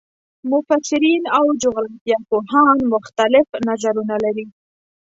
مفسرین او جغرافیه پوهان مختلف نظرونه لري.